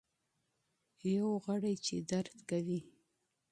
یو غړی چي درد کوي.